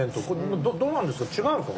どうなんですか？